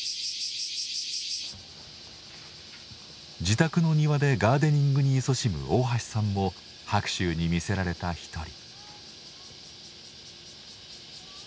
自宅の庭でガーデニングにいそしむ大橋さんも白秋に魅せられた一人。